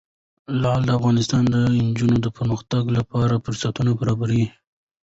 لعل د افغان نجونو د پرمختګ لپاره فرصتونه برابروي.